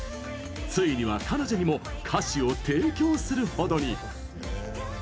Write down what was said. ついには彼女にも歌詞を提供するほどに。